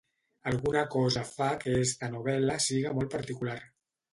Alguna cosa fa que esta novel·la siga molt particular.